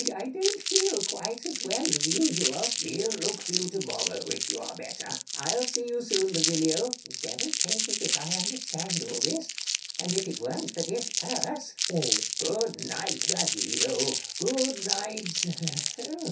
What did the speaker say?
I don't feel quite as well as usual. Bartolo We'll look for you to morrow, if you are better. Count I'll see you soon, Basilio. Basilio [aside] Devil take it if I understand all this! And if it weren't for this purse All Good night, Basilio, good night.